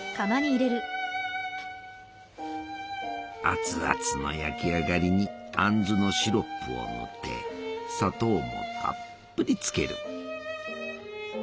熱々の焼き上がりにあんずのシロップを塗って砂糖もたっぷりつける。